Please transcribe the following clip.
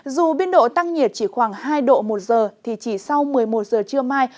dù biên độ tăng nhiệt chỉ khoảng hai độ một giờ thì chỉ sau một mươi một giờ trưa mai